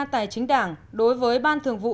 tài chính đảng đối với ban thường vụ